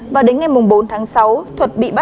và đến ngày bốn tháng sáu thuật bị bắt